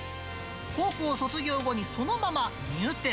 高校卒業後にそのまま入店。